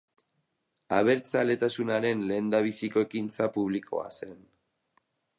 Abertzaletasunaren lehendabiziko ekintza publikoa zen.